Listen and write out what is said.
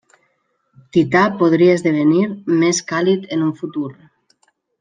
Tità podria esdevenir més càlid en un futur.